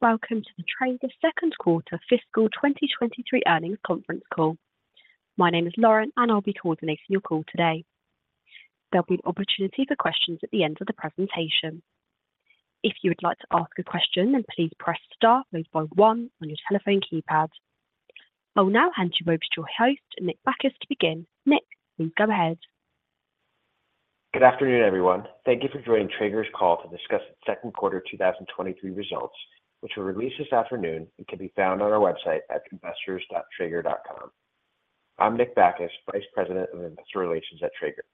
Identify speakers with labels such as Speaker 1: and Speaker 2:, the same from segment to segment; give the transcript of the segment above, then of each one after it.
Speaker 1: Hello, and welcome to the Traeger Second Quarter Fiscal 2023 Earnings Conference Call. My name is Lauren, and I'll be coordinating your call today. There'll be an opportunity for questions at the end of the presentation. If you would like to ask a question, then please press star, followed by one on your telephone keypad. I'll now hand you over to your host, Nick Bacchus, to begin. Nick, please go ahead.
Speaker 2: Good afternoon, everyone. Thank you for joining Traeger's call to discuss its second quarter 2023 results, which were released this afternoon and can be found on our website at investors.traeger.com. I'm Nick Bacchus, Vice President of Investor Relations at Traeger.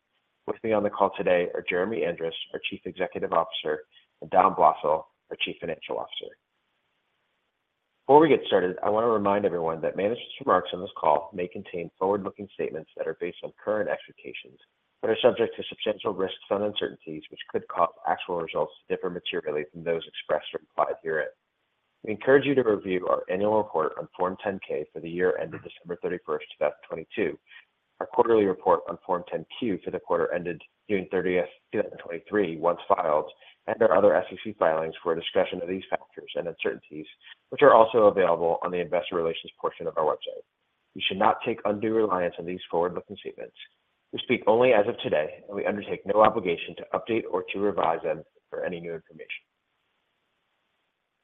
Speaker 2: With me on the call today are Jeremy Andrus, our Chief Executive Officer, and Dom Blosil, our Chief Financial Officer. Before we get started, I want to remind everyone that management's remarks on this call may contain forward-looking statements that are based on current expectations, but are subject to substantial risks and uncertainties, which could cause actual results to differ materially from those expressed or implied herein. We encourage you to review our annual report on Form 10-K for the year ended December 31, 2022, our quarterly report on Form 10-Q for the quarter ended June 30, 2023, once filed, and our other SEC filings for a discussion of these factors and uncertainties, which are also available on the investor relations portion of our website. You should not take undue reliance on these forward-looking statements. We speak only as of today, and we undertake no obligation to update or to revise them for any new information.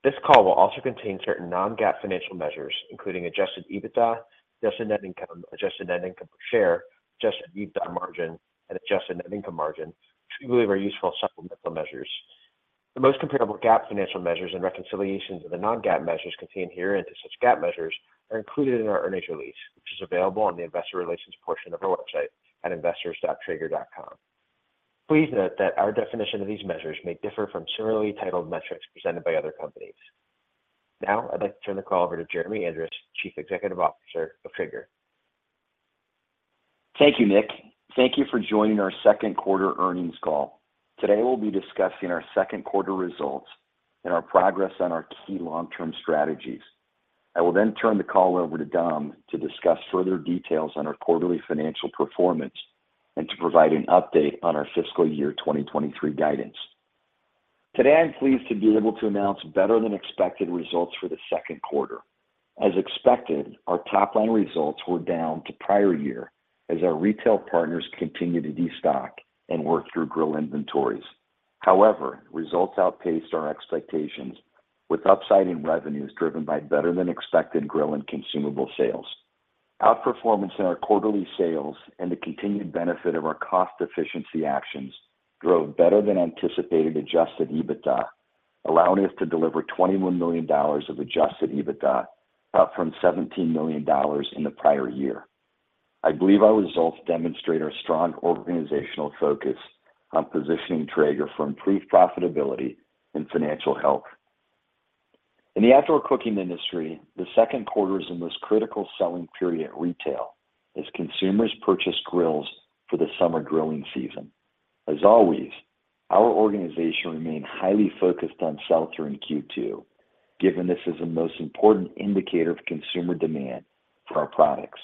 Speaker 2: This call will also contain certain non-GAAP financial measures, including adjusted EBITDA, adjusted net income, adjusted net income per share, adjusted EBITDA margin, and adjusted net income margin, which we believe are useful supplemental measures. The most comparable GAAP financial measures and reconciliations of the non-GAAP measures contained herein to such GAAP measures are included in our earnings release, which is available on the investor relations portion of our website at investors.traeger.com. Please note that our definition of these measures may differ from similarly titled metrics presented by other companies. Now, I'd like to turn the call over to Jeremy Andrus, Chief Executive Officer of Traeger.
Speaker 3: Thank you, Nick. Thank you for joining our second quarter earnings call. Today, we'll be discussing our second - quarter results and our progress on our key long-term strategies. I will then turn the call over to Dom to discuss further details on our quarterly financial performance and to provide an update on our fiscal year 2023 guidance. Today, I'm pleased to be able to announce better-than-expected results for the second quarter. As expected, our top-line results were down to prior year as our retail partners continued to destock and work through grill inventories. However, results outpaced our expectations, with upsiding revenues driven by better-than-expected grill and consumable sales. Outperformance in our quarterly sales and the continued benefit of our cost efficiency actions drove better-than-anticipated adjusted EBITDA, allowing us to deliver $21 million of adjusted EBITDA, up from $17 million in the prior year. I believe our results demonstrate our strong organizational focus on positioning Traeger for improved profitability and financial health. In the outdoor cooking industry, the second quarter is the most critical selling period at retail as consumers purchase grills for the summer grilling season. As always, our organization remained highly focused on sell-through in Q2, given this is the most important indicator of consumer demand for our products.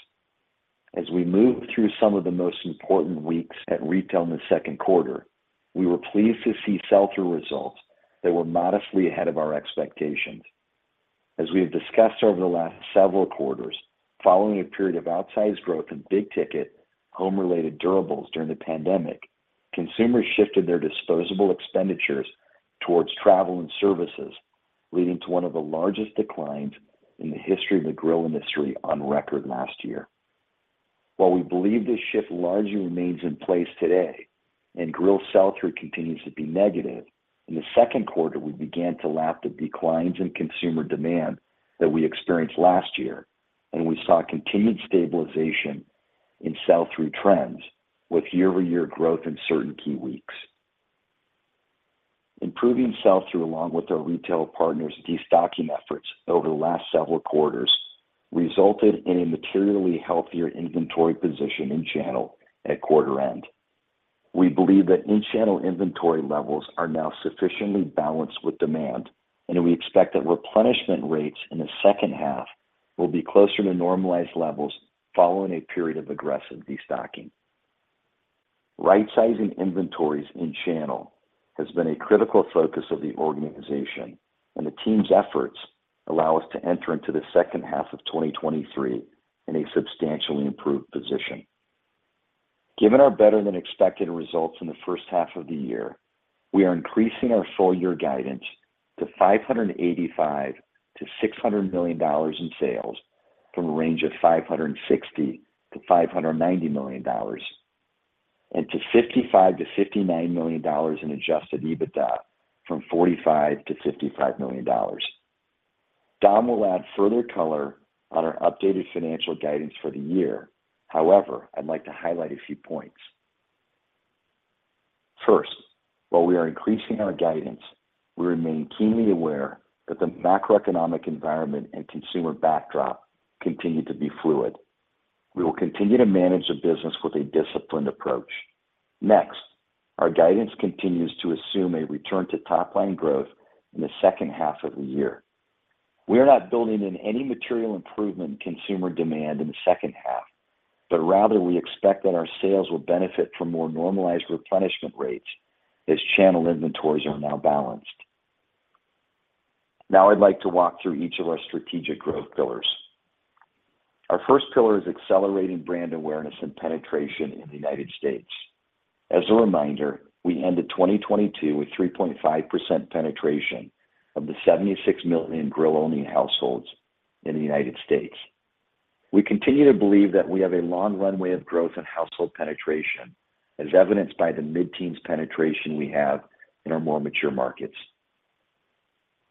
Speaker 3: As we moved through some of the most important weeks at retail in the second quarter, we were pleased to see sell-through results that were modestly ahead of our expectations. As we have discussed over the last several quarters, following a period of outsized growth in big-ticket, home-related durables during the pandemic, consumers shifted their disposable expenditures towards travel and services, leading to 1 of the largest declines in the history of the grill industry on record last year. While we believe this shift largely remains in place today and grill sell-through continues to be negative, in the second quarter, we began to lap the declines in consumer demand that we experienced last year, and we saw continued stabilization in sell-through trends with year-over-year growth in certain key weeks. Improving sell-through, along with our retail partners' destocking efforts over the last several quarters, resulted in a materially healthier inventory position in the channel at quarter's end. We believe that in-channel inventory levels are now sufficiently balanced with demand, and we expect that replenishment rates in the second half will be closer to normalized levels following a period of aggressive destocking. Right-sizing inventories in the channel has been a critical focus of the organization, and the team's efforts allow us to enter into the second half of 2023 in a substantially improved position. Given our better-than-expected results in the first half of the year, we are increasing our full year guidance to $585 million-$600 million in sales from a range of $560 million-$590 million, and to $55 million-$59 million in adjusted EBITDA from $45 million-$55 million. Dom will add further color to our updated financial guidance for the year. However, I'd like to highlight a few points. First, while we are increasing our guidance, we remain keenly aware that the macroeconomic environment and consumer backdrop continue to be fluid. We will continue to manage the business with a disciplined approach. Next, our guidance continues to assume a return to top-line growth in the second half of the year. We are not building in any material improvement in consumer demand in the second half. Rather, we expect that our sales will benefit from more normalized replenishment rates as channel inventories are now balanced. Now I'd like to walk through each of our strategic growth pillars. Our first pillar is accelerating brand awareness and penetration in the United States. As a reminder, we ended 2022 with 3.5% penetration of the 76 million grill-owning households in the United States. We continue to believe that we have a long runway of growth and household penetration, as evidenced by the mid-teens penetration we have in our more mature markets.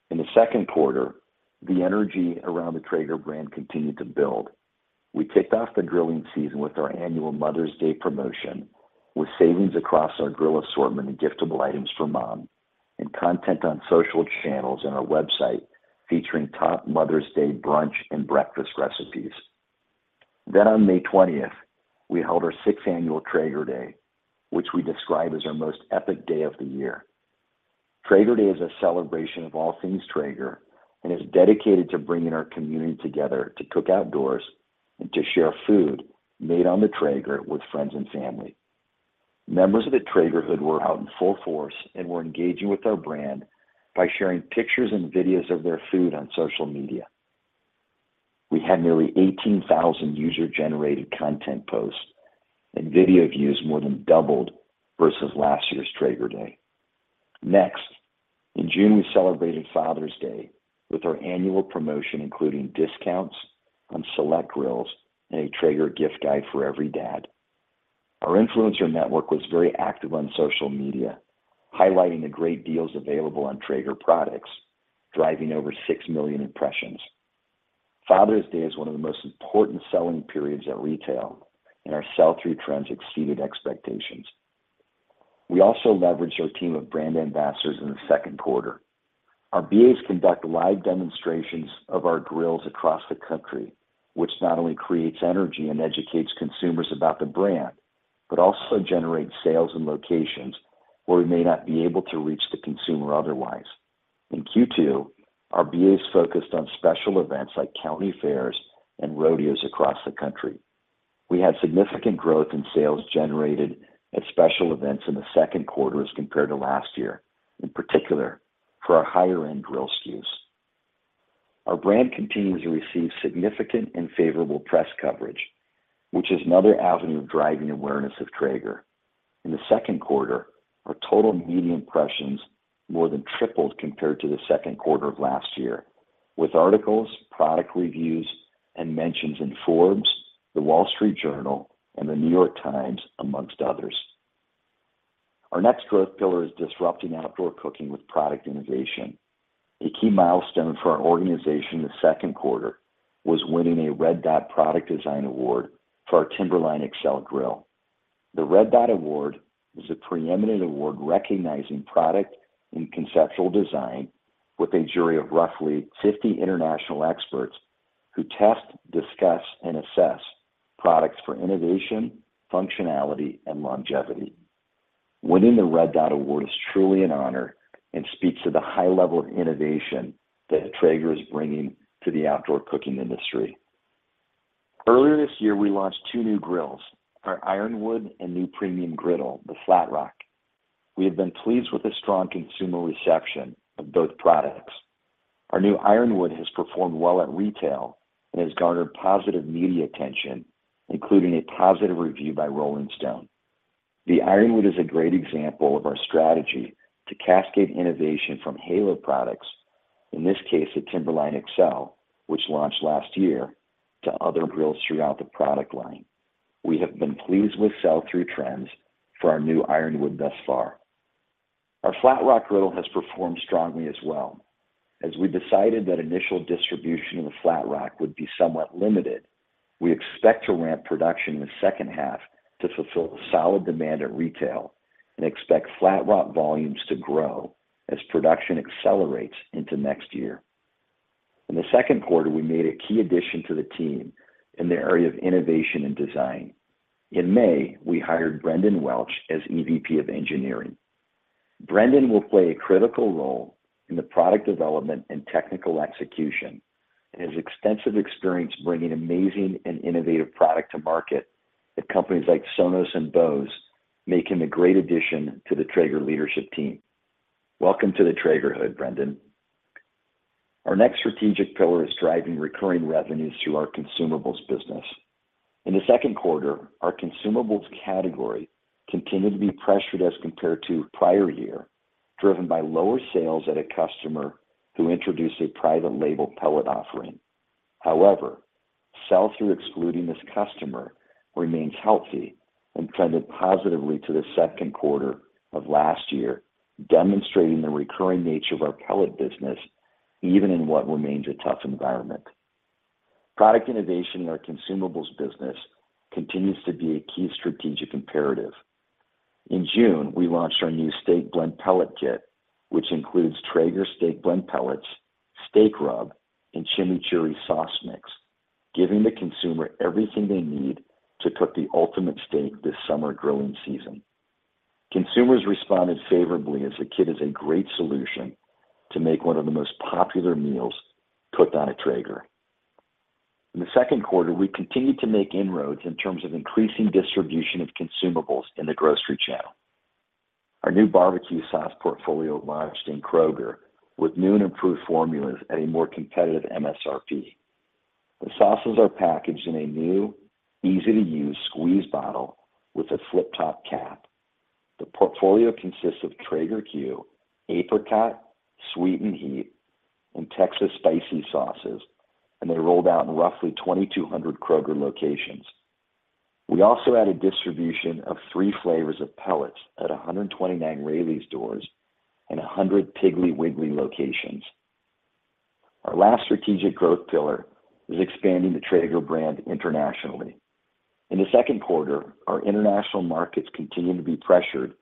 Speaker 3: In the second quarter, the energy around the Traeger brand continued to build. We kicked off the grilling season with our annual Mother's Day promotion, with savings across our grill assortment and giftable items for mom, and content on social channels and our website featuring top Mother's Day brunch and breakfast recipes. On May 20th, we held our sixth annual Traeger Day, which we describe as our most epic day of the year. Traeger Day is a celebration of all things Traeger and is dedicated to bringing our community together to cook outdoors and to share food made on the Traeger with friends and family. Members of the Traegerhood were out in full force and were engaging with our brand by sharing pictures and videos of their food on social media. We had nearly 18,000 user-generated content posts, and video views more than doubled versus last year's Traeger Day. In June, we celebrated Father's Day with our annual promotion, including discounts on select grills and a Traeger gift guide for every dad. Our influencer network was very active on social media, highlighting the great deals available on Traeger products, driving over 6 million impressions. Father's Day is one of the most important selling periods at retail, and our sell-through trends exceeded expectations. We also leveraged our team of Brand Ambassadors in the second quarter. Our BAs conduct live demonstrations of our grills across the country, which not only creates energy and educates consumers about the brand, but also generates sales in locations where we may not be able to reach the consumer otherwise. In Q2, our BAs focused on special events like county fairs and rodeos across the country. We had significant growth in sales generated at special events in the second quarter as compared to last year, in particular, for our higher-end grill SKUs. Our brand continues to receive significant and favorable press coverage, which is another avenue of driving awareness of Traeger. In the second quarter, our total media impressions more than tripled compared to the second quarter of last year, with articles, product reviews, and mentions in Forbes, The Wall Street Journal, and The New York Times, amongst others. Our next growth pillar is disrupting outdoor cooking with product innovation. A key milestone for our organization in the second quarter was winning a Red Dot product design award for our Timberline XL grill. The Red Dot Award is a preeminent award recognizing product and conceptual design with a jury of roughly 50 international experts who test, discuss, and assess products for innovation, functionality, and longevity. Winning the Red Dot Award is truly an honor and speaks to the high level of innovation that Traeger is bringing to the outdoor cooking industry. Earlier this year, we launched 2 new grills, our Ironwood and new premium griddle, the Flatrock. We have been pleased with the strong consumer reception of both products. Our new Ironwood has performed well at retail and has garnered positive media attention, including a positive review by Rolling Stone. The Ironwood is a great example of our strategy to cascade innovation from Halo products, in this case, the Timberline XL, which launched last year, to other grills throughout the product line. We have been pleased with sell-through trends for our new Ironwood thus far. Our Flatrock griddle has performed strongly as well. As we decided that initial distribution of the Flatrock would be somewhat limited, we expect to ramp production in the second half to fulfill the solid demand at retail and expect Flatrock volumes to grow as production accelerates into next year. In the second quarter, we made a key addition to the team in the area of innovation and design. In May, we hired Brendan Welch as EVP of Engineering. Brendan will play a critical role in the product development and technical execution, and his extensive experience bringing amazing and innovative product to market at companies like Sonos and Bose, make him a great addition to the Traeger leadership team. Welcome to the Traegerhood, Brendan. Our next strategic pillar is driving recurring revenues through our consumables business. In the second quarter, our consumables category continued to be pressured as compared to prior year, driven by lower sales at a customer who introduced a private label pellet offering. However, sell-through, excluding this customer, remains healthy and trended positively to the second quarter of last year, demonstrating the recurring nature of our pellet business, even in what remains a tough environment. Product innovation in our consumables business continues to be a key strategic imperative. In June, we launched our new Steak Blend Pellet Kit, which includes Traeger Steak Blend pellets, steak rub, and chimichurri sauce mix, giving the consumer everything they need to cook the ultimate steak this summer grilling season. Consumers responded favorably as the kit is a great solution to make one of the most popular meals cooked on a Traeger. In the second quarter, we continued to make inroads in terms of increasing distribution of consumables in the grocery channel. Our new barbecue sauce portfolio launched in Kroger with new and improved formulas at a more competitive MSRP. The sauces are packaged in a new, easy-to-use squeeze bottle with a flip-top cap. The portfolio consists of Traeger 'Que, apricot, Sweet & Heat, and Texas Spicy sauces, and they rolled out in roughly 2,200 Kroger locations. We also added distribution of three flavors of pellets at 129 Raley's stores and 100 Piggly Wiggly locations. Our last strategic growth pillar is expanding the Traeger brand internationally. In the second quarter, our international markets continued to be pressured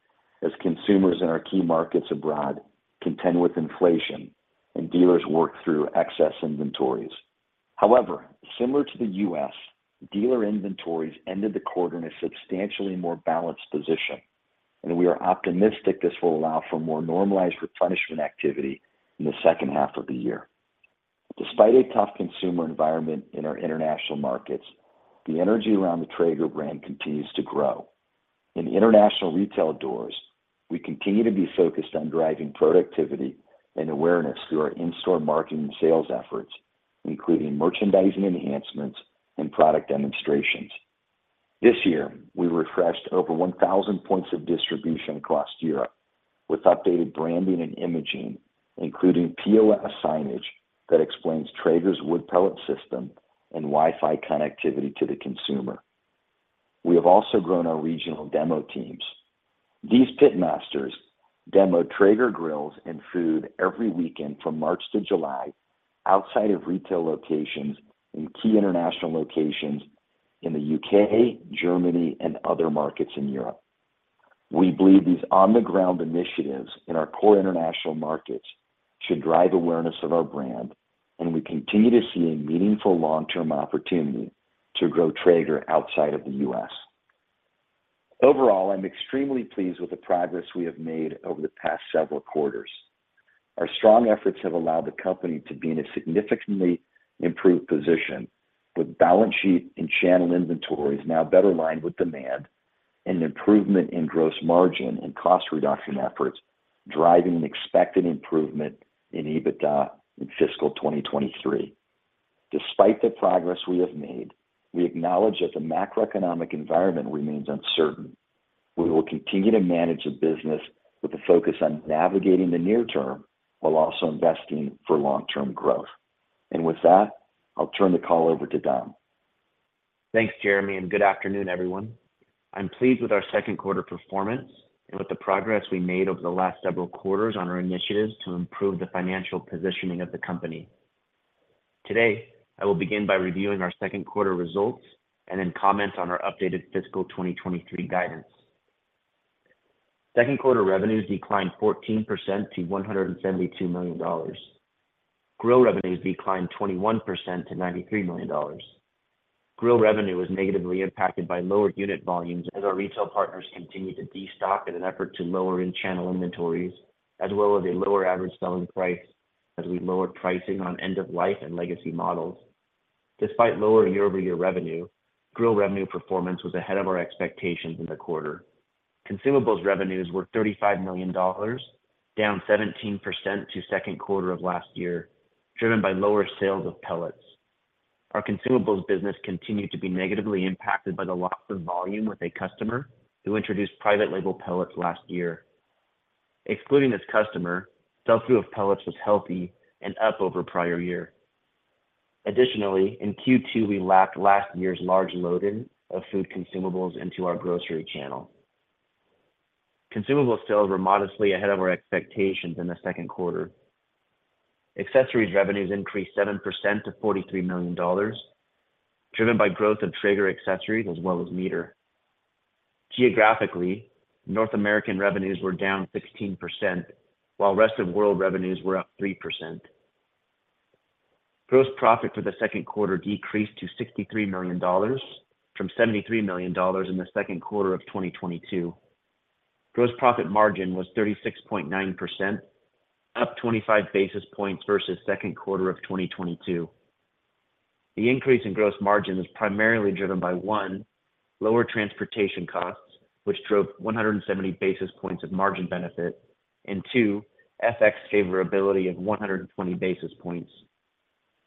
Speaker 3: as consumers in our key markets abroad contend with inflation and dealers work through excess inventories. However, similar to the US, dealer inventories ended the quarter in a substantially more balanced position, and we are optimistic this will allow for more normalized replenishment activity in the second half of the year. Despite a tough consumer environment in our international markets, the energy around the Traeger brand continues to grow. In the international retail doors, we continue to be focused on driving productivity and awareness through our in-store marketing and sales efforts, including merchandising enhancements and product demonstrations. This year, we refreshed over 1,000 points of distribution across Europe with updated branding and imaging, including POS signage that explains Traeger's wood pellet system and Wi-Fi connectivity to the consumer. We have also grown our regional demo teams. These pit masters demo Traeger grills and food every weekend from March to July outside of retail locations in key international locations in the U.K., Germany, and other markets in Europe. We believe these on-the-ground initiatives in our core international markets should drive awareness of our brand, and we continue to see a meaningful long-term opportunity to grow Traeger outside of the U.S. Overall, I'm extremely pleased with the progress we have made over the past several quarters. Our strong efforts have allowed the company to be in a significantly improved position, with balance sheet and channel inventories now better aligned with demand and improvement in gross margin and cost reduction efforts, driving an expected improvement in EBITDA in fiscal 2023. Despite the progress we have made, we acknowledge that the macroeconomic environment remains uncertain. We will continue to manage the business with a focus on navigating the near term while also investing for long-term growth. With that, I'll turn the call over to Dom.
Speaker 4: Thanks, Jeremy. Good afternoon, everyone. I'm pleased with our second-quarter performance and with the progress we made over the last several quarters on our initiatives to improve the financial positioning of the company. Today, I will begin by reviewing our second-quarter results. Then comment on our updated fiscal 2023 guidance. Second quarter revenues declined 14% to $172 million. Grill revenues declined 21% to $93 million. Grill revenue was negatively impacted by lower unit volumes as our retail partners continued to destock in an effort to lower in-channel inventories, as well as a lower average selling price as we lowered pricing on end-of-life and legacy models. Despite lower year-over-year revenue, grill revenue performance was ahead of our expectations in the quarter. Consumables revenues were $35 million, down 17% to second quarter of last year, driven by lower sales of pellets. Our consumables business continued to be negatively impacted by the loss of volume with a customer who introduced private label pellets last year. Excluding this customer, the sell-through of pellets was healthy and up over the prior year. Additionally, in Q2, we lacked last year's large load-in of food consumables into our grocery channel. Consumable sales were modestly ahead of our expectations in the second quarter. Accessories revenues increased 7% to $43 million, driven by growth of Traeger accessories as well as MEATER. Geographically, North American revenues were down 16%, while rest of the world revenues were up 3%. Gross profit for the second quarter decreased to $63 million from $73 million in the second quarter of 2022. Gross profit margin was 36.9%, up 25 basis points versus second quarter of 2022. The increase in gross margin was primarily driven by, one, lower transportation costs, which drove 170 basis points of margin benefit, and two, FX favorability of 120 basis points.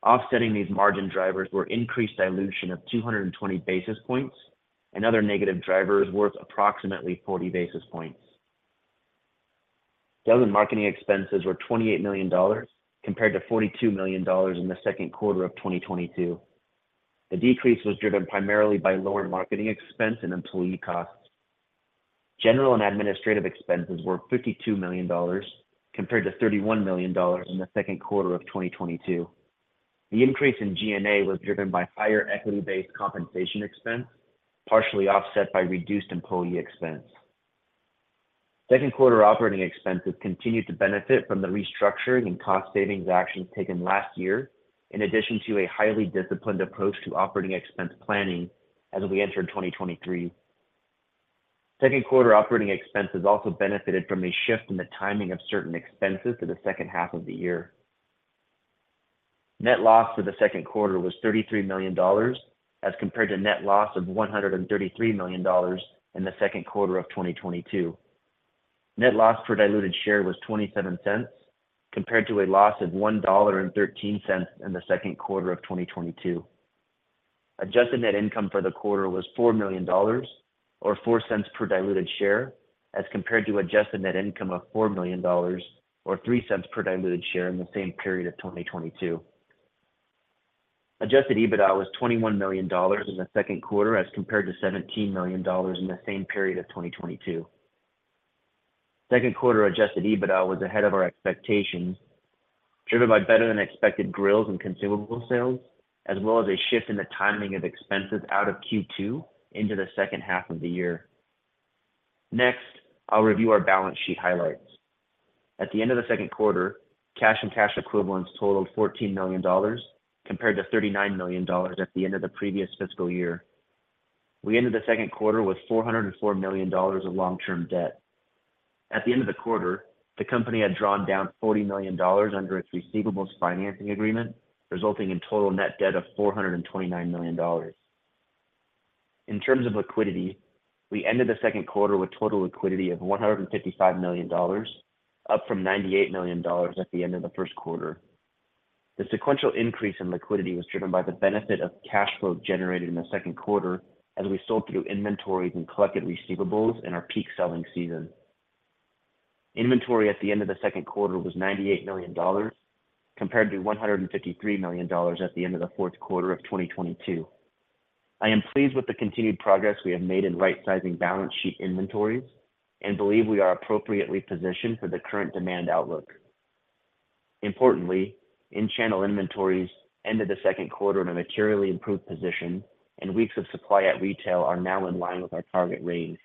Speaker 4: Offsetting these margin drivers were increased dilution of 220 basis points and other negative drivers worth approximately 40 basis points. Sales and marketing expenses were $28 million, compared to $42 million in the second quarter of 2022. The decrease was driven primarily by lower marketing expense and employee costs. General and administrative expenses were $52 million, compared to $31 million in the second quarter of 2022. The increase in G&A was driven by higher equity-based compensation expense, partially offset by reduced employee expense. Second quarter operating expenses continued to benefit from the restructuring and cost savings actions taken last year. In addition to a highly disciplined approach to operating expense planning as we enter 2023. Second quarter operating expenses also benefited from a shift in the timing of certain expenses to the second half of the year. Net loss for the second quarter was $33 million, as compared to net loss of $133 million in the second quarter of 2022. Net loss per diluted share was $0.27, compared to a loss of $1.13 in the second quarter of 2022. Adjusted net income for the quarter was $4 million, or $0.04 per diluted share, as compared to adjusted net income of $4 million, or $0.03 per diluted share in the same period of 2022. adjusted EBITDA was $21 million in the second quarter, as compared to $17 million in the same period of 2022. Second quarter adjusted EBITDA was ahead of our expectations, driven by better-than-expected grills and consumable sales, as well as a shift in the timing of expenses out of Q2 into the second half of the year. Next, I'll review our balance sheet highlights. At the end of the second quarter, cash and cash equivalents totaled $14 million, compared to $39 million at the end of the previous fiscal year. We ended the second quarter with $404 million of long-term debt. At the end of the quarter, the company had drawn down $40 million under its receivables financing agreement, resulting in total net debt of $429 million. In terms of liquidity, we ended the second quarter with total liquidity of $155 million, up from $98 million at the end of the first quarter. The sequential increase in liquidity was driven by the benefit of cash flow generated in the second quarter as we sold through inventories and collected receivables in our peak selling season. Inventory at the end of the second quarter was $98 million, compared to $153 million at the end of the fourth quarter of 2022. I am pleased with the continued progress we have made in rightsizing balance sheet inventories and believe we are appropriately positioned for the current demand outlook. Importantly, in-channel inventories ended the second quarter in a materially improved position, and weeks of supply at retail are now in line with our target range.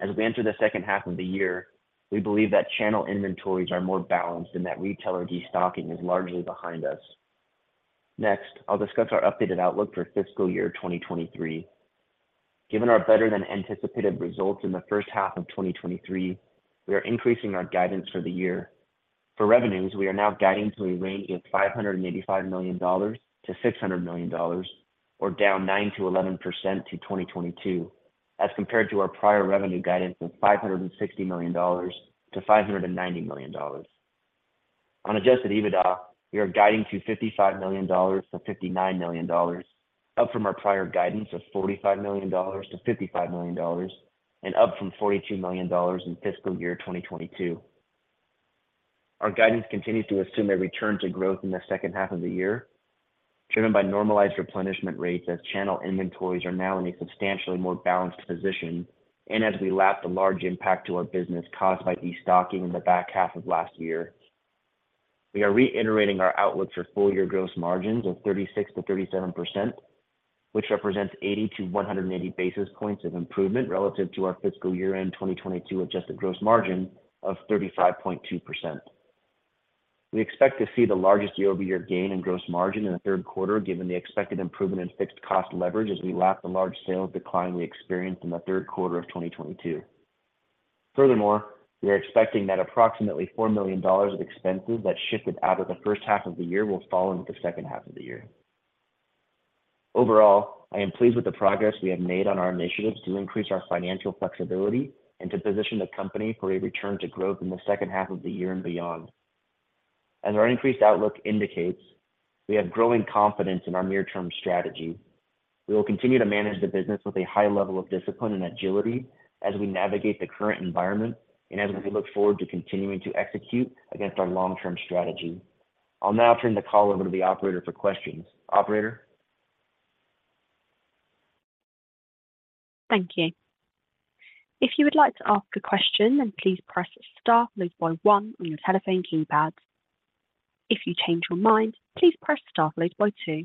Speaker 4: As we enter the second half of the year, we believe that channel inventories are more balanced and that retailer destocking is largely behind us. Next, I'll discuss our updated outlook for fiscal year 2023. Given our better-than-anticipated results in the first half of 2023, we are increasing our guidance for the year. For revenues, we are now guiding to a range of $585 million-$600 million, or down 9%-11% to 2022, as compared to our prior revenue guidance of $560 million-$590 million. On adjusted EBITDA, we are guiding to $55 million-$59 million, up from our prior guidance of $45 million-$55 million and up from $42 million in fiscal year 2022. Our guidance continues to assume a return to growth in the second half of the year, driven by normalized replenishment rates as channel inventories are now in a substantially more balanced position, and as we lap the large impact to our business caused by destocking in the back half of last year. We are reiterating our outlook for full-year gross margins of 36%-37%, which represents 80-180 basis points of improvement relative to our fiscal year-end 2022 adjusted gross margin of 35.2%. We expect to see the largest year-over-year gain in gross margin in the third quarter, given the expected improvement in fixed cost leverage as we lap the large sales decline we experienced in the third quarter of 2022. Furthermore, we are expecting that approximately $4 million of expenses that shifted out of the first half of the year will fall into the second half of the year. Overall, I am pleased with the progress we have made on our initiatives to increase our financial flexibility and to position the company for a return to growth in the second half of the year and beyond. As our increased outlook indicates, we have growing confidence in our near-term strategy. We will continue to manage the business with a high level of discipline and agility as we navigate the current environment and as we look forward to continuing to execute against our long-term strategy. I'll now turn the call over to the operator for questions. Operator?
Speaker 1: Thank you. If you would like to ask a question, then please press star followed by one on your telephone keypad. If you change your mind, plea se press star followed by two.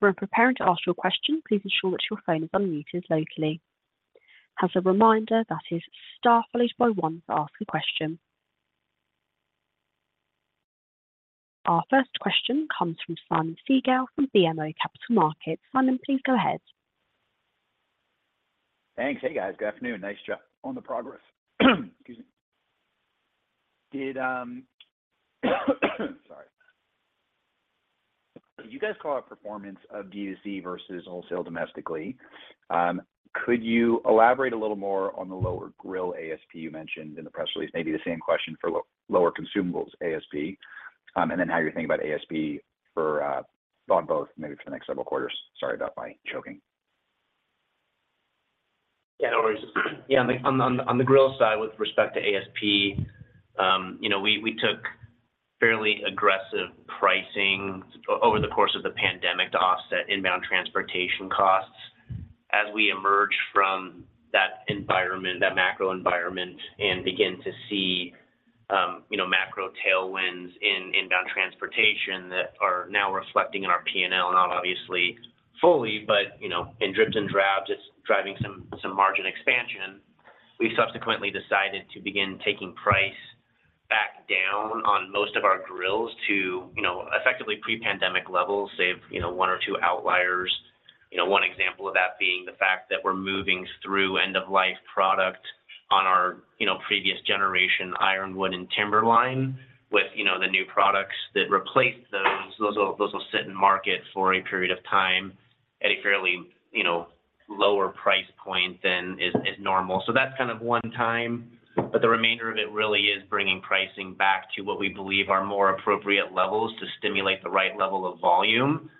Speaker 1: When preparing to ask your question, please ensure that your phone is unmuted locally. As a reminder, that is star followed by one to ask a question. Our first question comes from Simeon Siegel from BMO Capital Markets. Simeon, please go ahead.
Speaker 5: Thanks. Hey, guys. Good afternoon. Nice job on the progress. Excuse me. Sorry. Did you guys call out performance of D2C versus wholesale domestically? Could you elaborate a little more on the lower grill ASP you mentioned in the press release? Maybe the same question for lower consumables ASP, and then how you're thinking about ASP for on both, maybe for the next several quarters. Sorry about my choking.
Speaker 4: Yeah, no worries. Yeah, on the, on the, on the grill side, with respect to ASP, you know, we, we took fairly aggressive pricing over the course of the pandemic to offset inbound transportation costs. As we emerge from that environment, that macro environment, and begin to see, you know, macro tailwinds in inbound transportation that are now reflecting in our PNL, not obviously fully, but, you know, in dribs and drabs, it's driving some, some margin expansion. We've subsequently decided to begin taking price back down on most of our grills to, you know, effectively pre-pandemic levels, save, you know, one or two outliers. You know, one example of that being the fact that we're moving through end-of-life product on our, you know, previous generation Ironwood and Timberline. With, you know, the new products that replace those, those will, those will sit in market for a period of time at a fairly, you know, lower price point than is, is normal. That's kind of one time, but the remainder of it really is bringing pricing back to what we believe are more appropriate levels to stimulate the right level of volume,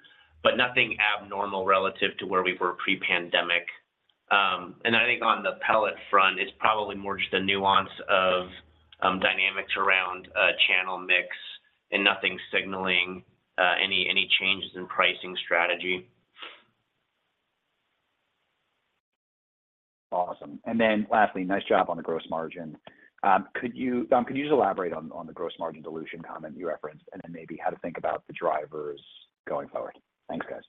Speaker 4: but nothing abnormal relative to where we were pre-pandemic. I think on the pellet front, it's probably more just a nuance of dynamics around a channel mix and nothing signaling any, any changes in pricing strategy.
Speaker 5: Awesome. Then lastly, nice job on the gross margin. Could you, could you just elaborate on, on the gross margin dilution comment you referenced, and then maybe how to think about the drivers going forward? Thanks, guys.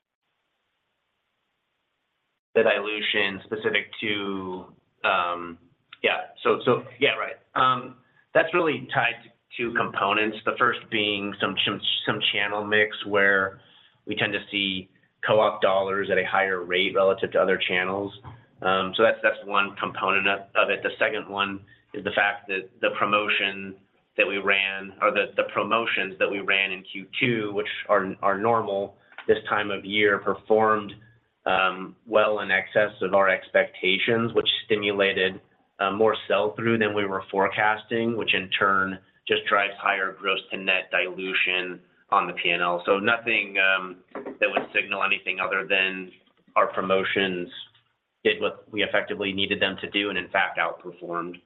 Speaker 4: The dilution specific to... Yeah. Yeah, right. That's really tied to two components, the first being some channel mix, where we tend to see co-op dollars at a higher rate relative to other channels. That's, that's one component of, of it. The second one is the fact that the promotion that we ran or the, the promotions that we ran in Q2, which are, are normal this time of year, performed well in excess of our expectations, which stimulated more sell-through than we were forecasting, which in turn just drives higher gross to net dilution on the P&L. Nothing that would signal anything other than our promotions did what we effectively needed them to do and, in fact, outperformed.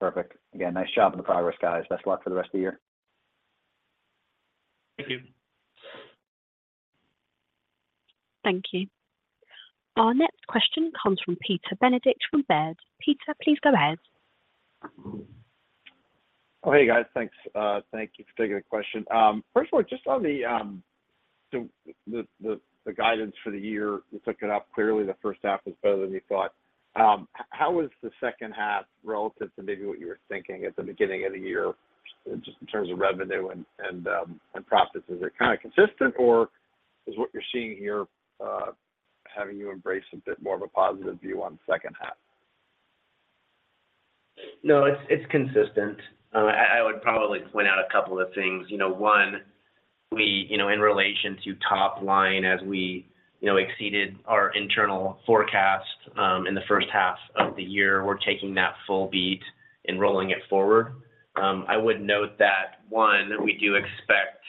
Speaker 5: Perfect. Again, nice job on the progress, guys. Best of luck for the rest of the year.
Speaker 4: Thank you.
Speaker 1: Thank you. Our next question comes from Peter Benedict from Baird. Peter, please go ahead.
Speaker 6: Oh, hey, guys. Thanks. Thank you for taking the question. First of all, just on the, the, the, the, the guidance for the year, you took it up. Clearly, the first half was better than you thought. H-how was the second half relative to maybe what you were thinking at the beginning of the year, just in terms of revenue and, and, and profits? Is it kind of consistent, or is what you're seeing here, having you embrace a bit more of a positive view on the second half?
Speaker 4: No, it's, it's consistent. I, I would probably point out a couple of things. You know, one, we, you know, in relation to top line as we, you know, exceeded our internal forecast, in the first half of the year, we're taking that full beat and rolling it forward. I would note that, one, we do expect,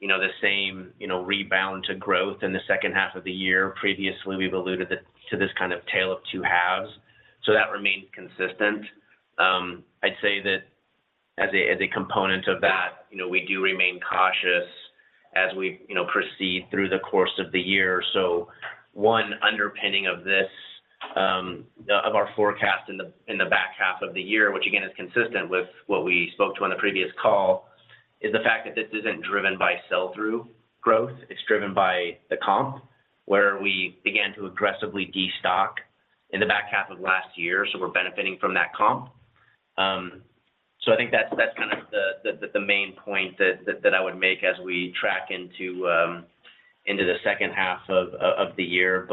Speaker 4: you know, the same, you know, rebound to growth in the second half of the year. Previously, we've alluded to this, to this kind of tale of two halves, so that remains consistent. I'd say that as a, as a component of that, you know, we do remain cautious as we, you know, proceed through the course of the year. One underpinning of this of our forecast in the in the back half of the year, which again, is consistent with what we spoke to on the previous call, is the fact that this isn't driven by sell-through growth. It's driven by the comp, where we began to aggressively destock in the back half of last year, we're benefiting from that comp. I think that's, that's kind of the, the, the main point that, that, that I would make as we track into into the second half of the year.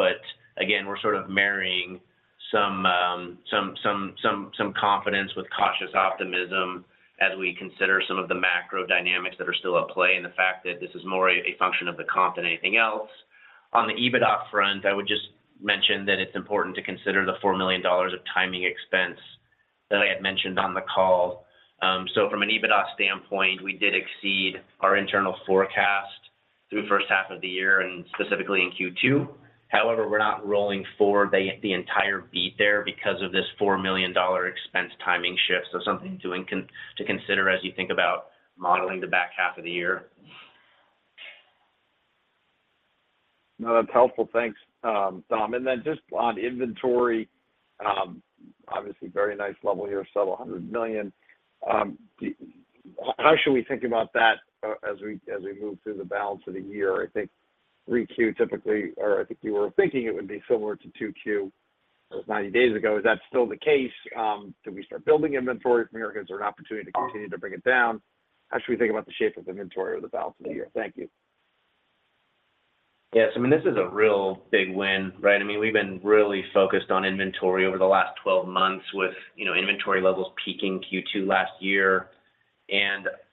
Speaker 4: Again, we're sort of marrying some confidence with cautious optimism as we consider some of the macro dynamics that are still at play and the fact that this is more a function of the comp than anything else. On the EBITDA front, I would just mention that it's important to consider the $4 million of timing expense that I had mentioned on the call. From an EBITDA standpoint, we did exceed our internal forecast through the first half of the year and specifically in Q2. However, we're not rolling forward the, the entire beat there because of this $4 million expense timing shift. Something to consider as you think about modeling the back half of the year.
Speaker 6: No, that's helpful. Thanks, Dom. Just on inventory, obviously, very nice level here, subtle $100 million. How should we think about that as we, as we move through the balance of the year? I think 3Q typically, or I think you were thinking it would be similar to 2Q, 90 days ago. Is that still the case? Do we start building inventory from here, or is there an opportunity to continue to bring it down? How should we think about the shape of inventory over the balance of the year? Thank you.
Speaker 4: Yes, I mean, this is a real big win, right? I mean, we've been really focused on inventory over the last 12 months with, you know, inventory levels peaking Q2 last year.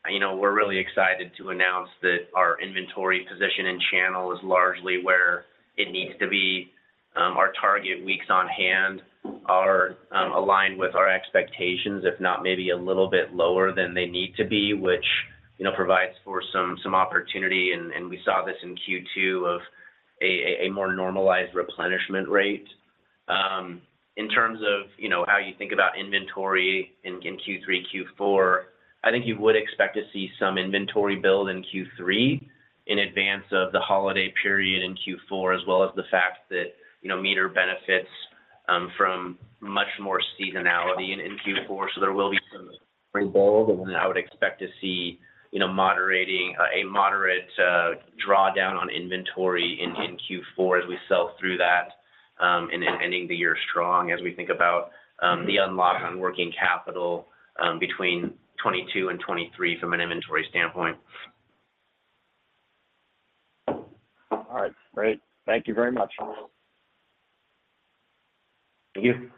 Speaker 4: You know, we're really excited to announce that our inventory position and channel is largely where it needs to be. Our target weeks on hand are aligned with our expectations, if not maybe a little bit lower than they need to be, which, you know, provides for some, some opportunity. We saw this in Q2 of a more normalized replenishment rate. In terms of, you know, how you think about inventory in, in Q3, Q4, I think you would expect to see some inventory build in Q3 in advance of the holiday period in Q4, as well as the fact that, you know, MEATER benefits from much more seasonality in, in Q4. There will be some-...
Speaker 3: pretty bold, and then I would expect to see, you know, moderating, a moderate, drawdown on inventory in, in Q4 as we sell through that, and then ending the year strong as we think about, the unlock on working capital, between 22 and 23 from an inventory standpoint. All right, great. Thank you very much. Thank you.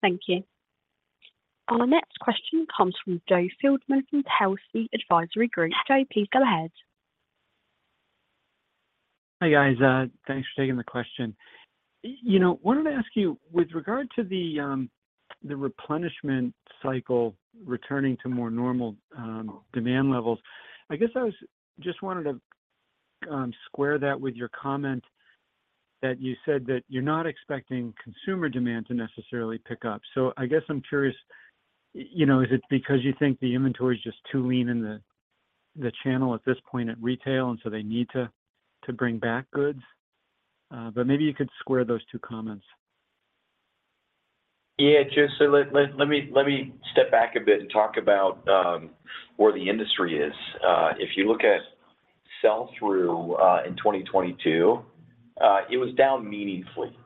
Speaker 1: Thank you. Our next question comes from Joe Feldman from Telsey Advisory Group. Joe, please go ahead.
Speaker 7: Hi, guys, thanks for taking the question. You know, wanted to ask you with regard to the replenishment cycle returning to more normal demand levels, I guess I was just wanted to square that with your comment that you said that you're not expecting consumer demand to necessarily pick up. I guess I'm curious, you know, is it because you think the inventory is just too lean in the channel at this point at retail, and so they need to bring back goods? Maybe you could square those two comments.
Speaker 3: Yeah, Joe Feldman, let me, let me step back a bit and talk about where the industry is. If you look at sell-through in 2022, it was down meaningfully,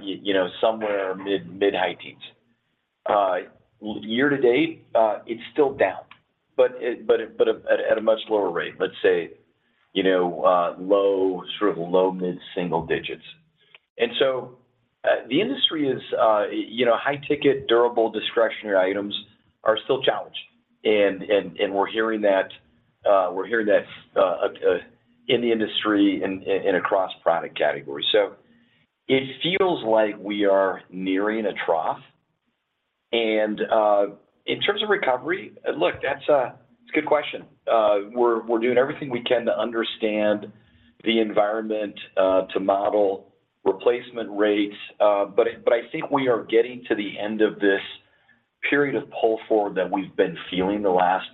Speaker 3: you know, somewhere mid-high teens. Year to date, it's still down, but at a much lower rate, let's say, you know, low mid-single digits. The industry is, you know, high-ticket, durable, discretionary items are still challenged. We're hearing that, we're hearing that in the industry and across product categories. It feels like we are nearing a trough. In terms of recovery, look, that's a good question. We're doing everything we can to understand the environment, to model replacement rates. I think we are getting to the end of this period of pull forward that we've been feeling the last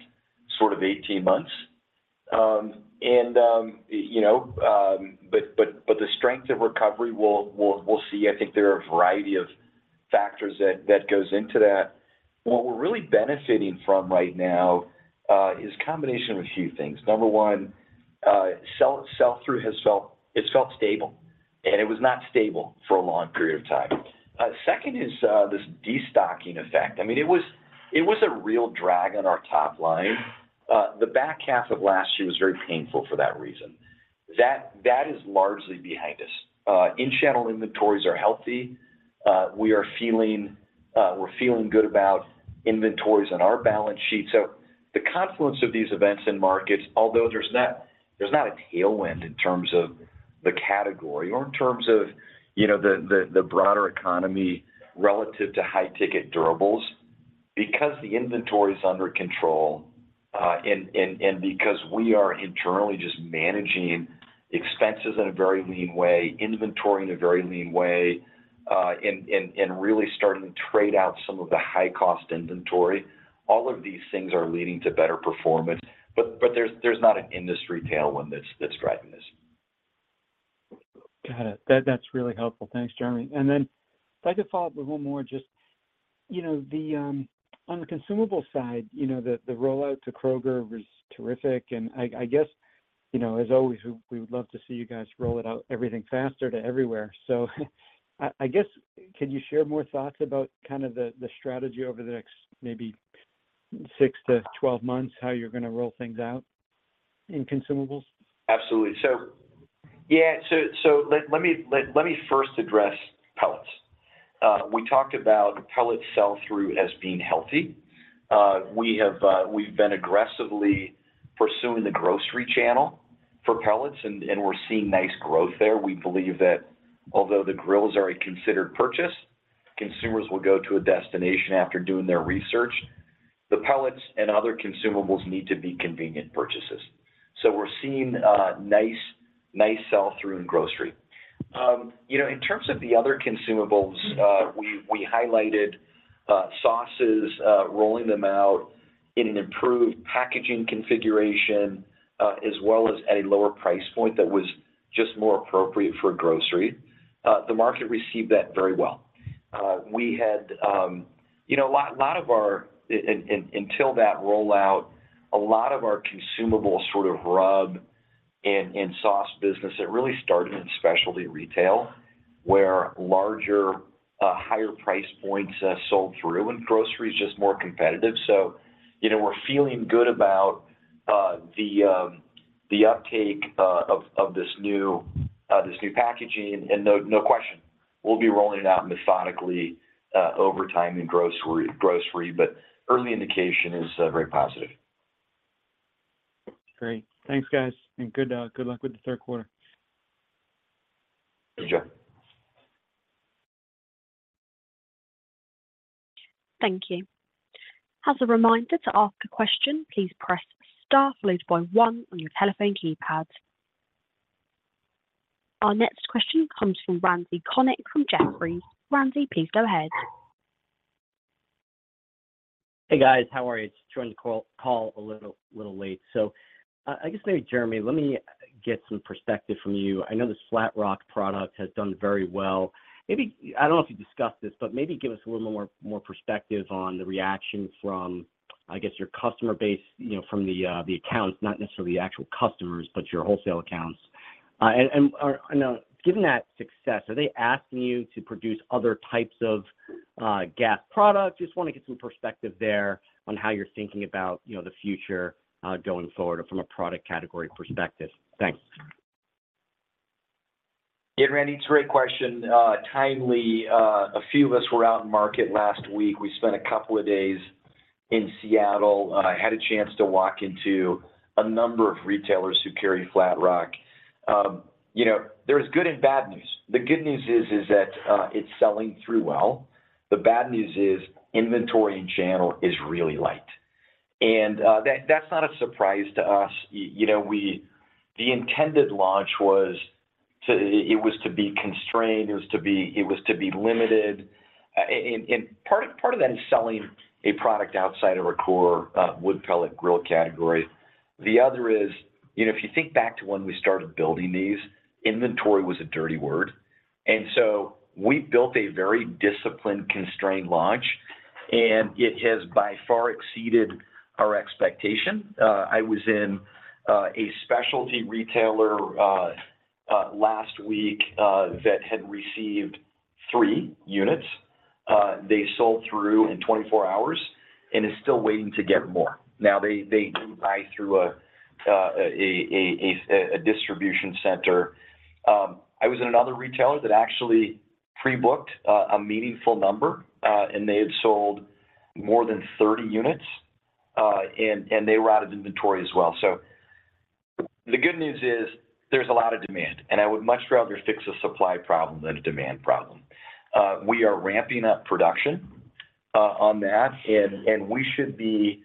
Speaker 3: sort of 18 months. You know, the strength of recovery, we'll, we'll, we'll see. I think there are a variety of factors that, that goes into that. What we're really benefiting from right now, is combination of a few things. Number one, sell-through has felt, it's felt stable, and it was not stable for a long period of time. Second is, this destocking effect. I mean, it was, it was a real drag on our top line. The back half of last year was very painful for that reason. That is largely behind us. In-channel inventories are healthy. We are feeling, we're feeling good about inventories on our balance sheet. The confluence of these events in markets, although there's not, there's not a tailwind in terms of the category or in terms of, you know, the, the, the broader economy relative to high-ticket durables. Because the inventory is under control, and, and, and because we are internally just managing expenses in a very lean way, inventory in a very lean way, and, and, and really starting to trade out some of the high-cost inventory, all of these things are leading to better performance. But there's, there's not an industry tailwind that's, that's driving this.
Speaker 7: Got it. That, that's really helpful. Thanks, Jeremy. If I could follow up with one more, just, you know, the, on the consumable side, you know, the, the rollout to Kroger was terrific, and I, I guess, you know, as always, we, we would love to see you guys roll it out everything faster to everywhere. I, I guess, could you share more thoughts about kind of the, the strategy over the next maybe six to 12 months, how you're gonna roll things out in consumables?
Speaker 3: Absolutely. Yeah, let me first address pellets. We talked about pellet sell-through as being healthy. We have, we've been aggressively pursuing the grocery channel for pellets, and we're seeing nice growth there. We believe that although the grills are a considered purchase, consumers will go to a destination after doing their research. The pellets and other consumables need to be convenient purchases. We're seeing nice sell-through in grocery. You know, in terms of the other consumables, we highlighted sauces, rolling them out in an improved packaging configuration, as well as at a lower price point that was just more appropriate for grocery. The market received that very well. We had, you know, a lot of our... Until that rollout, a lot of our consumable sort of rub in, in sauce business, it really started in specialty retail, where larger, higher price points sold through, and grocery is just more competitive. You know, we're feeling good about the uptake of this new packaging. No question, we'll be rolling it out methodically over time in grocery, grocery. Early indication is very positive.
Speaker 7: Great. Thanks, guys, and good, good luck with the third quarter.
Speaker 3: Thank you.
Speaker 1: Thank you. As a reminder, to ask a question, please press Star followed by one on your telephone keypad. Our next question comes from Randy Konik, from Jefferies. Randy, please go ahead.
Speaker 8: Hey, guys, how are you? Joining the call, call a little, little late. I, I guess maybe Jeremy, let me get some perspective from you. I know this Flatrock product has done very well. Maybe, I don't know if you discussed this, but maybe give us a little more, more perspective on the reaction from, I guess, your customer base, you know, from the accounts, not necessarily the actual customers, but your wholesale accounts. And, and, now, given that success, are they asking you to produce other types of gas products? Just want to get some perspective there on how you're thinking about, you know, the future, going forward from a product category perspective. Thanks.
Speaker 3: Yeah, Randy, it's a great question, timely. A few of us were out in market last week. We spent a couple of days in Seattle. I had a chance to walk into a number of retailers who carry Flatrock. You know, there's good and bad news. The good news is, is that it's selling through well. The bad news is inventory in channel is really light, and that's not a surprise to us. You know, the intended launch was to... It was to be constrained, it was to be, it was to be limited. Part, part of that is selling a product outside of a core wood pellet grill category. The other is, you know, if you think back to when we started building these, inventory was a dirty word, and so we built a very disciplined, constrained launch, and it has by far exceeded our expectation. I was in a specialty retailer last week that had received 3 units. They sold through in 24 hours and is still waiting to get more. They, they do buy through a distribution center. I was in another retailer that actually pre-booked a meaningful number, and they had sold more than 30 units, and they were out of inventory as well. The good news is there's a lot of demand, and I would much rather fix a supply problem than a demand problem. We are ramping up production on that, and we should be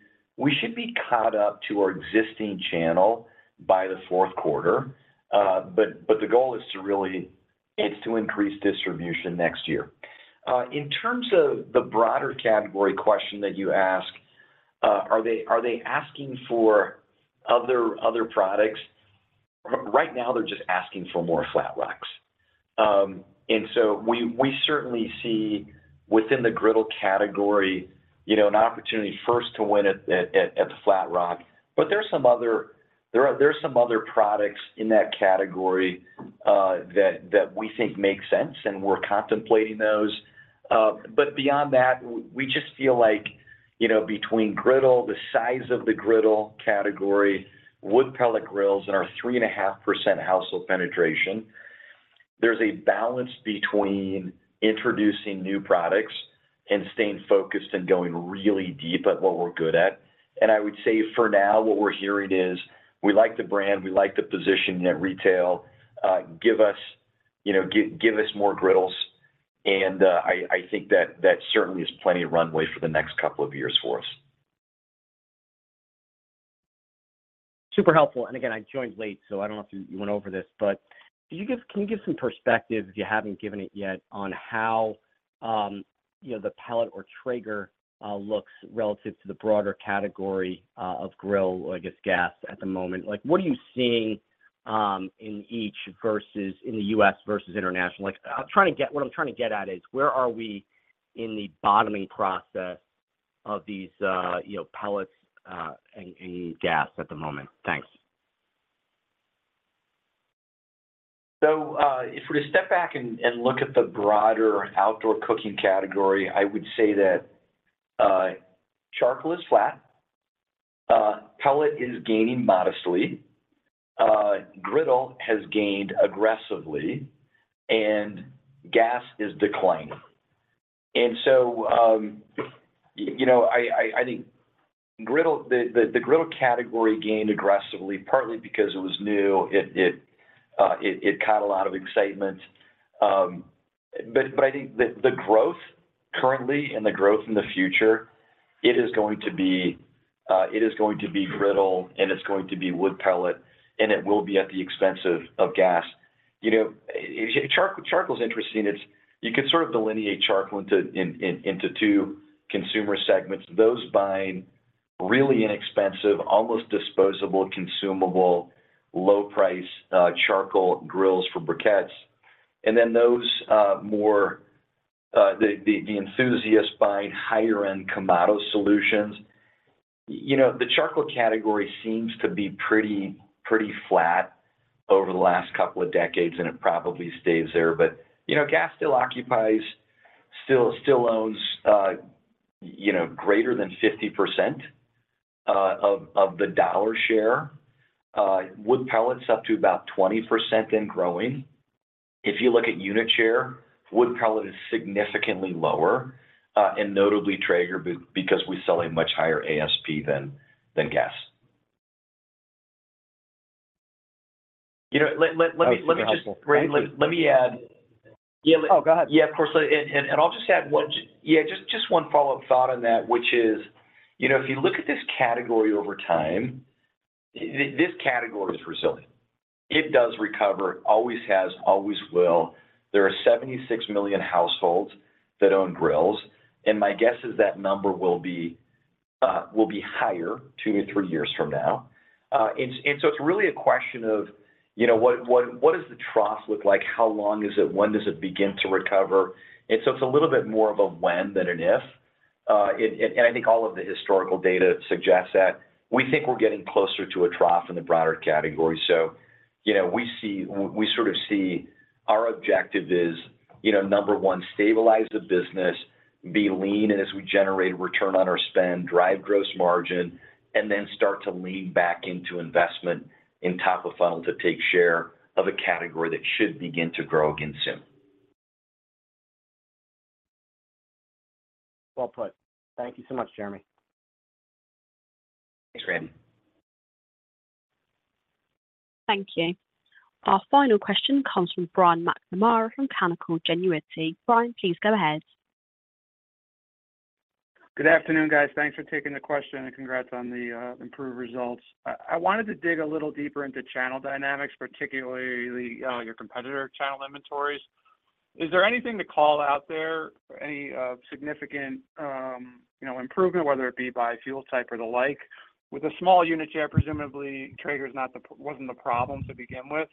Speaker 3: caught up to our existing channel by the fourth quarter. The goal is to really, it's to increase distribution next year. In terms of the broader category question that you ask, are they asking for other products? Right now, they're just asking for more Flatrocks. So we certainly see within the griddle category, you know, an opportunity first to win at the Flatrock. There are some other products in that category that we think make sense, and we're contemplating those. Beyond that, we just feel like, you know, between griddle, the size of the griddle category, wood pellet grills, and our 3.5% household penetration, there's a balance between introducing new products and staying focused and going really deep at what we're good at. I would say for now, what we're hearing is, "We like the brand, we like the position in retail. Give us, you know, give us more griddles." I, I think that that certainly is plenty of runway for the next 2 years for us.
Speaker 8: Super helpful. Again, I joined late, so I don't know if you went over this, but can you give some perspective, if you haven't given it yet, on how, you know, the pellet or Traeger looks relative to the broader category of grill, I guess, gas at the moment? Like, what are you seeing in each versus in the US versus international? Like, what I'm trying to get at is, where are we in the bottoming process of these, you know, pellets, and gas at the moment? Thanks.
Speaker 3: If we're to step back and look at the broader outdoor cooking category, I would say that charcoal is flat, pellet is gaining modestly, griddle has gained aggressively, and gas is declining. You know, I think griddle, the griddle category gained aggressively, partly because it was new. It caught a lot of excitement. But I think the growth currently and the growth in the future, it is going to be griddle, and it's going to be wood pellet, and it will be at the expense of gas. You know, charcoal is interesting. You could sort of delineate charcoal into two consumer segments, those buying really inexpensive, almost disposable, consumable, low price charcoal grills for briquettes, and then those more the enthusiasts buying higher end Kamado solutions. You know, the charcoal category seems to be pretty, pretty flat over the last 2 decades, and it probably stays there. You know, gas still occupies, still owns, you know, greater than 50% of the dollar share. Wood pellets up to about 20% and growing. If you look at unit share, wood pellet is significantly lower, and notably Traeger because we sell a much higher ASP than gas. You know, let me add-
Speaker 8: Oh, go ahead.
Speaker 3: Of course. I'll just add one. Just one follow-up thought on that, which is, you know, if you look at this category over time. This category is resilient. It does recover, always has, always will. There are 76 million households that own grills, and my guess is that number will be higher 2-3 years from now. It's really a question of, you know, what does the trough look like? How long is it? When does it begin to recover? It's a little bit more of a when than an if. I think all of the historical data suggests that we think we're getting closer to a trough in the broader category. You know, we sort of see our objective is, you know, number one, stabilize the business, be lean, as we generate return on our spend, drive gross margin, start to lean back into investment in top of funnel to take share of a category that should begin to grow again soon.
Speaker 5: Well put. Thank you so much, Jeremy.
Speaker 3: Thanks, Randy.
Speaker 1: Thank you. Our final question comes from Brian McNamara from Canaccord Genuity. Brian, please go ahead.
Speaker 9: Good afternoon, guys. Thanks for taking the question, and congrats on the improved results. I, I wanted to dig a little deeper into channel dynamics, particularly your competitor channel inventories. Is there anything to call out there, any significant, you know, improvement, whether it be by fuel type or the like? With a small unit share, presumably Traeger's wasn't the problem to begin with.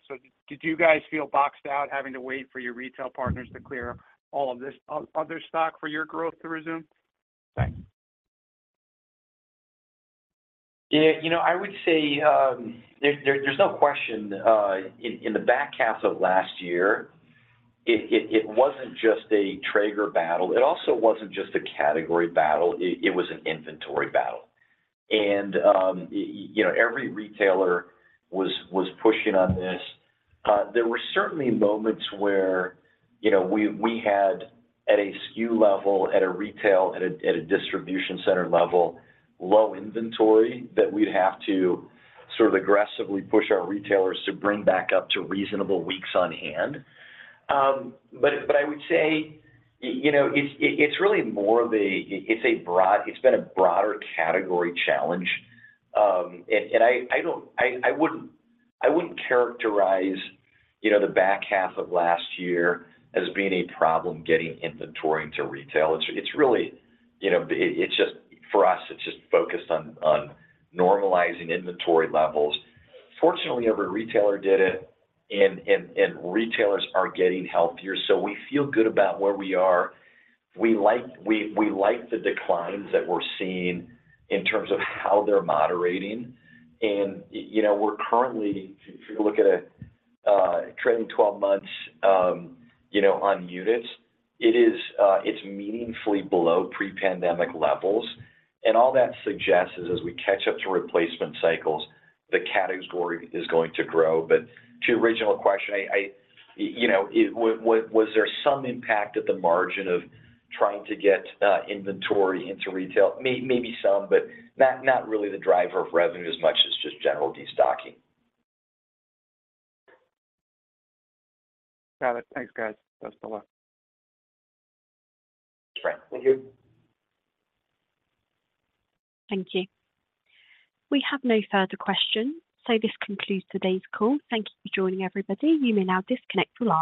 Speaker 9: Did you guys feel boxed out, having to wait for your retail partners to clear all of this other stock for your growth to resume? Thanks.
Speaker 3: Yeah, you know, I would say, there, there's no question, in, in the back half of last year, it, it, it wasn't just a Traeger battle. It also wasn't just a category battle. It, it was an inventory battle. You know, every retailer was, was pushing on this. There were certainly moments where, you know, we, we had at a SKU level, at a retail, at a, at a distribution center level, low inventory that we'd have to sort of aggressively push our retailers to bring back up to reasonable weeks on hand. But, I would say, you know, it's, it, it's really more of a... It's been a broader category challenge. I, I don't, I, I wouldn't, I wouldn't characterize, you know, the back half of last year as being a problem getting inventory into retail. It's, it's really, you know, it, it's just for us, it's just focused on, on normalizing inventory levels. Fortunately, every retailer did it, and, and, and retailers are getting healthier, so we feel good about where we are. We like, we, we like the declines that we're seeing in terms of how they're moderating. You know, we're currently, if you look at a trailing twelve months, you know, on units, it is, it's meaningfully below pre-pandemic levels. All that suggests is as we catch up to replacement cycles, the category is going to grow. To your original question. You know, was there some impact at the margin of trying to get inventory into retail? Maybe some, but not, not really the driver of revenue as much as just general destocking.
Speaker 9: Got it. Thanks, guys. Best of luck.
Speaker 3: Thanks. Thank you.
Speaker 1: Thank you. We have no further questions, so this concludes today's call. Thank you for joining, everybody. You may now disconnect from the-.